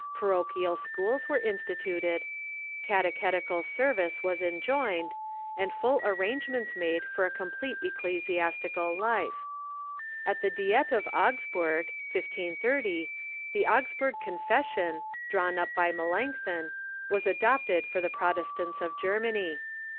Parochial schools were instituted, catechetical service was enjoined, and full arrangements made for a complete ecclesi astical life. At the Diet of Augsburg (1530) the Augsburg Confession, drawn up by Melanchthon, was adopted for the Protestants of Germany.